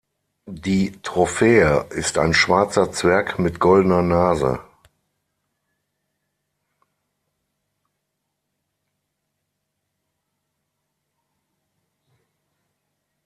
Die Trophäe ist ein schwarzer Zwerg mit goldener Nase.